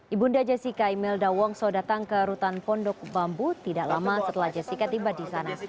ibu nda jessica imelda wongso datang ke rutan pondok bambu tidak lama setelah jessica tiba di sana